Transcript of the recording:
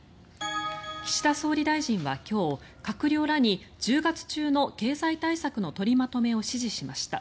岸田総理大臣は今日閣僚らに１０月中の経済対策の取りまとめを指示しました。